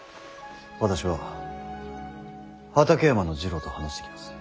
私は畠山次郎と話してきます。